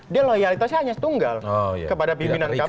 dia loyalitasnya hanya tunggal kepada pimpinan kpk